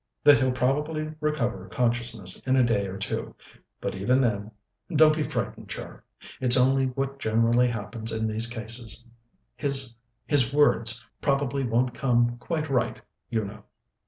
"That he'll probably recover consciousness in a day or two. But even then don't be frightened, Char; it's only what generally happens in these cases his his words probably won't come quite right, you know.